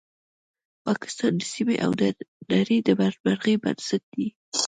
پاکستان د سیمې او نړۍ د بدمرغۍ بنسټ دی